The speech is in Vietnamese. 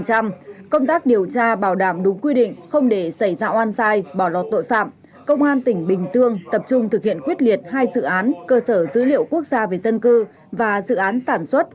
công tác điều tra bảo đảm đúng quy định không để xảy ra oan sai bỏ lọt tội phạm công an tỉnh bình dương tập trung thực hiện quyết liệt hai dự án cơ sở dữ liệu quốc gia về dân cư và dự án sản xuất